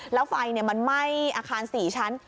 แล้วไฟมันไหม้อาคาร๔ชั้น